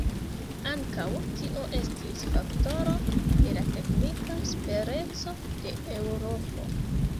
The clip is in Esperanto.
Ankaŭ tio estis faktoro de la teknika supereco de Eŭropo.